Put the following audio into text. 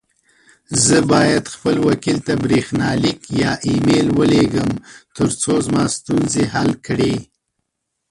زه بايد خپل وکيل ته بريښناليک يا اى ميل وليږم، ترڅو زما ستونزي حل کړې.